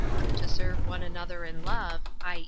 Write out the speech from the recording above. To serve one another in love, i.